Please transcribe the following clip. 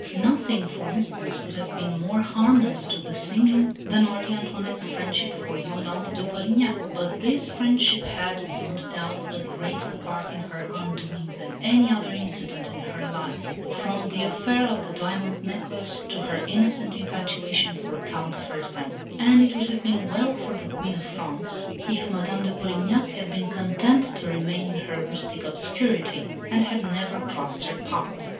Nothing, for instance, could have been more harmless to the seeming than Marie Antoinette's friendship for Yolande de Polignac; but this friendship had, beyond doubt, a greater part in her undoing than any other incident in her life, from the affair of the "diamond necklace" to her innocent infatuation for Count Fersen; and it would have been well for the Queen of France if Madame de Polignac had been content to remain in her rustic obscurity, and had never crossed her path.